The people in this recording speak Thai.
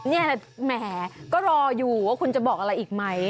นี่แหละแหมก็รออยู่ว่าคุณจะบอกอะไรอีกไหม